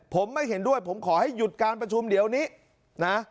ผมไม่เห็นด้วยผมขอให้หยุดการประชุมเดี๋ยวนี้นะ